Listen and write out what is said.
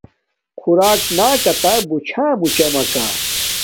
خوراک ناکاتہ بوچھا موچامکہ